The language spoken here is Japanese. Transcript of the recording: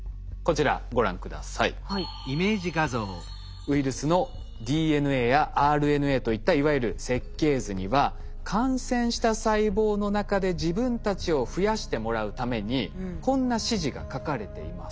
ウイルスのＤＮＡやＲＮＡといったいわゆる設計図には感染した細胞の中で自分たちを増やしてもらうためにこんな指示が書かれています。